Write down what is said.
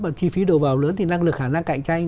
mà chi phí đầu vào lớn thì năng lực khả năng cạnh tranh